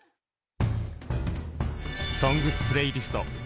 「ＳＯＮＧＳ」プレイリスト